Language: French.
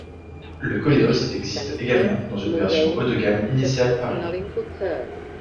Le Koleos existe également dans une version haut de gamme Initiale Paris.